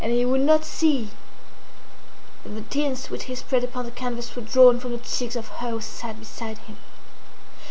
And he would not see that the tints which he spread upon the canvas were drawn from the cheeks of her who sate beside him.